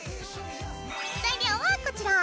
材料はこちら。